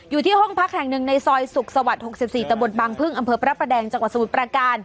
อยู่ที่ห้องพักแห่งหนึ่งในซอยสุขสวรรค์๖๔ตะบนบางพึ่งอำเภอพระประแดงจังหวัดสมุทรประการ